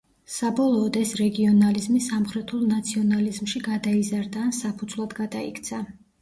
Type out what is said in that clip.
საბოლოოდ ეს რეგიონალიზმი სამხრეთულ ნაციონალიზმში გადაიზარდა ან „საფუძვლად“ გადაიქცა.